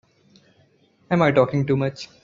Am I talking too much?